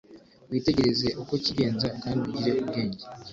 Witegereze uko kigenza kandi ugire ubwenge